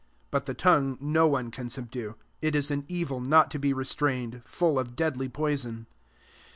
8 But the tongue no one can subdue : it 19 an evil not to be restrained, full of deadly poison.